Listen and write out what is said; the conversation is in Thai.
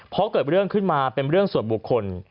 พอเกิดเรื่องขึ้นมาเป็นเรื่องส่วนบุคคล